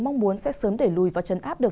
mong muốn sẽ sớm để lùi và trấn áp được